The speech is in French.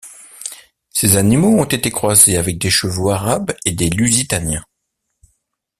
Ces animaux ont été croisés avec des chevaux arabes et des lusitaniens.